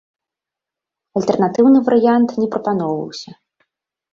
Альтэрнатыўны варыянт не прапаноўваўся.